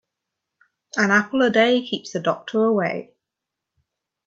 An apple a day keeps the doctor away.